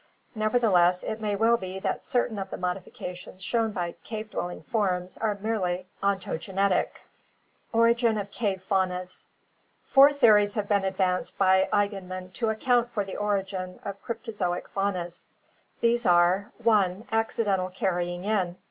Nevertheless it may well be that cer tain of the modifications shown by cave dwelling forms are merely ontogenetic. Origin of Cave Faunas. — Four theories have been advanced by Eigenmann to account for the origin of cryptozoic faunas. These are: (1) Accidental carrying in.